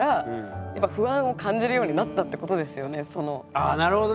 ああなるほどね。